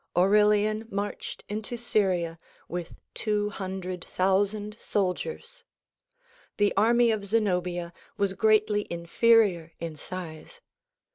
Aurelian marched into Syria with two hundred thousand soldiers. The array of Zenobia was greatly inferior in size.